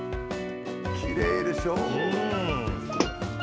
きれいでしょう。